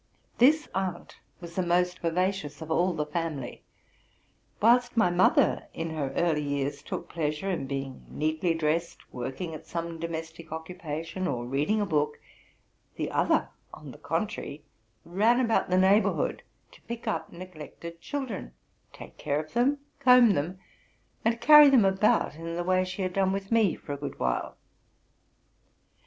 This aunt was the most vivacious of all the family. Whilst my mother, in her early years, took pleasure in being neatly dressed, working at some domestic occupation, or re sading a book, the other, on the contrary, ran about the neighborhood to pick up neglected children, take care of them, com) them, and carry them about in the way she had done with me fora good while.